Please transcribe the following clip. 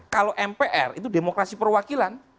kalau mpr itu demokrasi perwakilan